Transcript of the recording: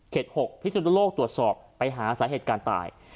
เข็ด๖พิสุทธิโรคตรวจสอบไปหาสาเหตุการณ์ตาย